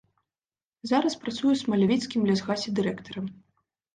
Зараз працуе ў смалявіцкім лясгасе дырэктарам.